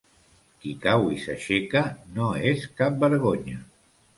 Qui cau i s'aixeca, no és cap vergonya.